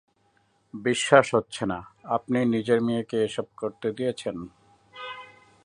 বিশ্বাস হচ্ছে না, আপনি নিজের মেয়েকে এসব করতে দিয়েছেন!